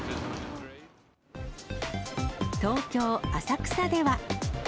東京・浅草では。